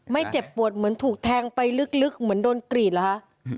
เจ็บปวดเหมือนถูกแทงไปลึกเหมือนโดนกรีดเหรอคะ